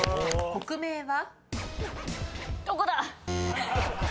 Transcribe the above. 国名は？